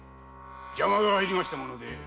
邪魔が入りましたもので。